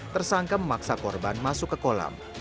tersangka memaksa korban masuk ke kolam